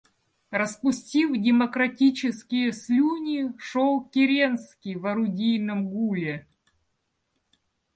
Распустив демократические слюни, шел Керенский в орудийном гуле.